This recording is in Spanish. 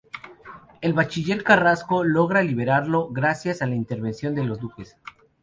El bachiller Carrasco logra liberarlo, gracias a la intervención de los Duques.